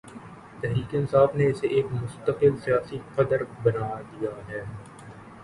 تحریک انصاف نے اسے ایک مستقل سیاسی قدر بنا دیا ہے۔